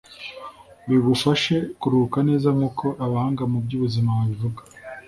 bigufashe kuruhuka neza nk'uko abahanga mu by’ubuzima babivuga